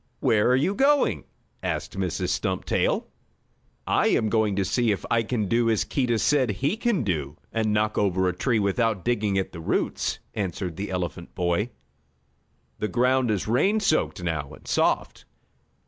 "Where are you going?" asked Mrs. Stumptail. "I am going to see if I can do as Keedah said he could do, and knock over a tree without digging at the roots," answered the elephant boy. "The ground is rain soaked now, and soft."